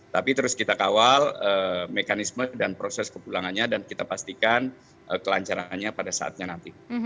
tapi terus kita kawal mekanisme dan proses kepulangannya dan kita pastikan kelancarannya pada saatnya nanti